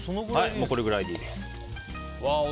これぐらいでいいです。